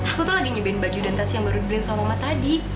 aku tuh lagi nyobain baju dan tas yang baru dibeli sama mama tadi